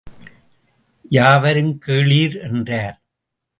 யாவரும் கேளீர்! என்றார்.